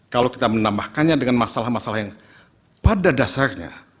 kalau kita menambahkannya dengan masalah masalah yang pada dasarnya